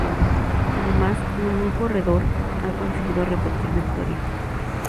Además, ningún corredor ha conseguido repetir victoria.